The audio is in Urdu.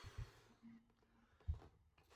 آج کا انسان درندہ بن گیا ہے